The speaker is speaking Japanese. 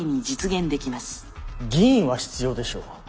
議員は必要でしょう。